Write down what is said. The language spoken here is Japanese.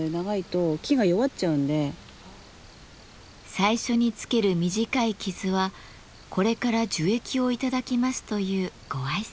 最初につける短い傷はこれから樹液を頂きますというご挨拶。